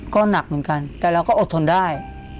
ก็หนักเหมือนกันแต่เราก็อดทนได้